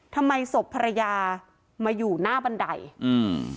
ทำไมศพภรรยามาอยู่หน้าบันไดอืม